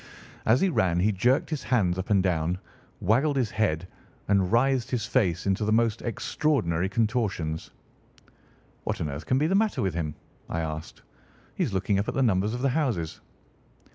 As he ran he jerked his hands up and down, waggled his head, and writhed his face into the most extraordinary contortions. "What on earth can be the matter with him?" I asked. "He is looking up at the numbers of the houses."